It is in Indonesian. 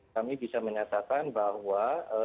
kami bisa menyatakan bahwa